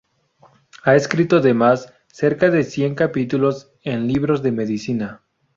Ha escrito además cerca de cien capítulos en libros de medicina.